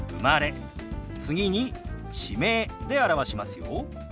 次に地名で表しますよ。